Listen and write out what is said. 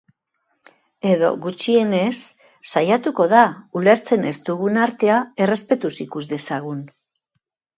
Edo, gutxienez, saiatuko da ulertzen ez dugun artea errespetuz ikus dezagun.